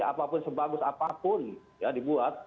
apapun sebagus apapun ya dibuat